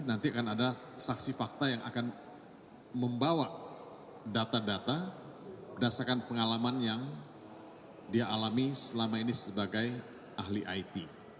nanti akan ada saksi fakta yang akan membawa data data berdasarkan pengalaman yang dia alami selama ini sebagai ahli it